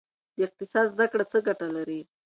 د اقتصاد زده کړه څه ګټه لري؟